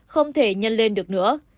không thể nhân lên được nữa